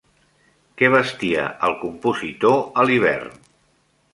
Què vestia el compositor a l'hivern?